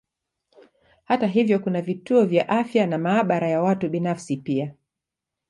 Hata hivyo kuna vituo vya afya na maabara ya watu binafsi pia.